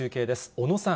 小野さん。